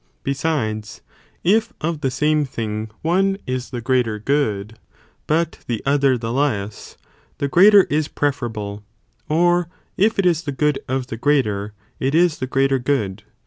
Besides, if of the same thing one is the greater good, but the other the less, the greater is pre forable, or* if it is the good of the greater, it is the greater (good).?